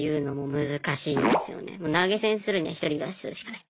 投げ銭するには１人暮らしするしかない。